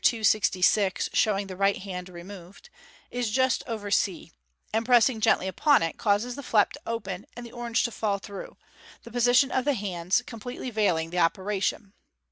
266, showin right hand removed), is just over c, and pressing gently upon it, causes the flap to open, and the orange to fall through ; the position of the hands completely veil ing the operation.